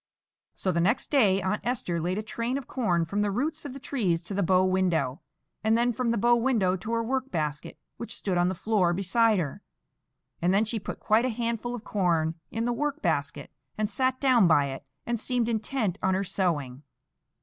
So the next day Aunt Esther laid a train of corn from the roots of the trees to the bow window, and then from the bow window to her work basket, which stood on the floor beside her; and then she put quite a handful of corn in the work basket, and sat down by it, and seemed intent on her sewing.